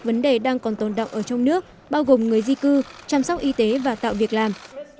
vấn đề đang còn tồn động ở trong nước bao gồm người di cư chăm sóc y tế và tạo việc làm